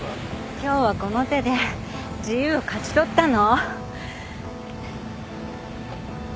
今日はこの手で自由を勝ち取ったの。